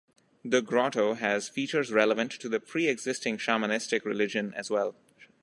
The grotto has features relevant to the pre-existing shamanistic religion as well.